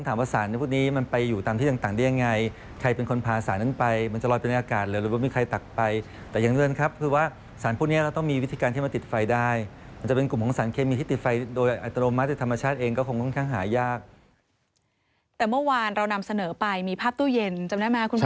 แต่เมื่อวานเรานำเสนอไปมีภาพตู้เย็นจำได้ไหมคุณพ่อ